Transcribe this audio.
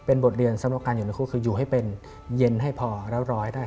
บทเรียนสำหรับการอยู่ในคู่คืออยู่ให้เป็นเย็นให้พอแล้วร้อยได้